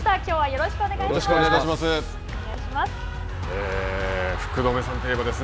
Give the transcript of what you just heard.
よろしくお願いします。